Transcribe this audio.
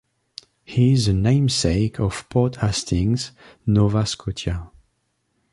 He is the namesake of Port Hastings, Nova Scotia.